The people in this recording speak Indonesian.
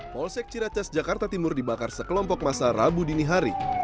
polsek ciracas jakarta timur dibakar sekelompok masa rabu dinihari